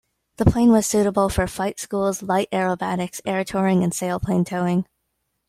The plane was suitable for flight schools, light aerobatics, air touring and sailplane towing.